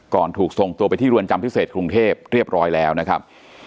ถูกส่งตัวไปที่เรือนจำพิเศษกรุงเทพเรียบร้อยแล้วนะครับ